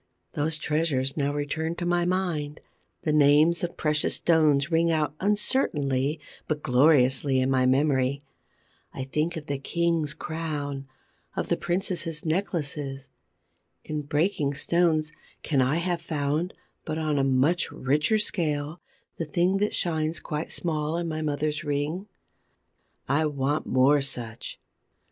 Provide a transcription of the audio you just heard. Those treasures now return to my mind: the names of precious stones ring out uncertainly but gloriously in my memory. I think of the king's crown, of the princesses' necklaces. In breaking stones, can I have found, but on a much richer scale, the thing that shines quite small in my mother's ring? I want more such.